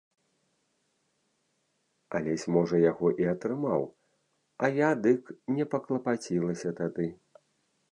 Алесь можа яго і атрымаў, а я дык не паклапацілася тады.